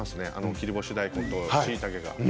切り干し大根と干ししいたけが。